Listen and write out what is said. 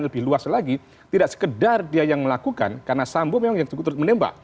lebih luas lagi tidak sekedar dia yang melakukan karena sambo memang yang menembak